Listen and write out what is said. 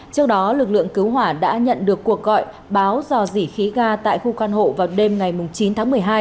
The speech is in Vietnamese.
trước đó lực lượng cứu hỏa đã nhận được cuộc gọi báo dò dỉ khí ga tại khu căn hộ vào đêm ngày chín tháng một mươi hai